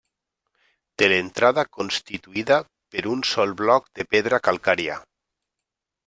Té l'entrada constituïda per un sol bloc de pedra calcària.